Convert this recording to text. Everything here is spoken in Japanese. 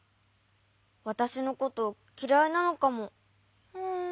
わたしのこときらいなのかも。